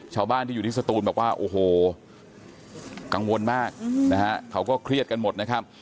ชาวบ้านที่อยู่ที่สตูนบอกว่าโอ้โหกังวลมากนะฮะเขาก็เครียดกันหมดนะครับ